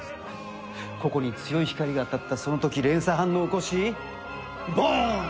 ここに強い光が当たったその時連鎖反応を起こしボン！